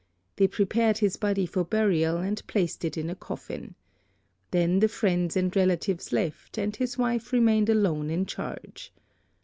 They prepared his body for burial, and placed it in a coffin. Then the friends and relatives left, and his wife remained alone in charge.